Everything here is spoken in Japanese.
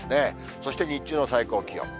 そして日中の最高気温。